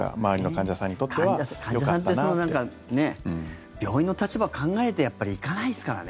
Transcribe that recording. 患者さんって病院の立場考えてやっぱり行かないっすからね。